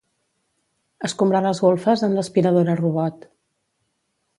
Escombrar les golfes amb l'aspiradora robot.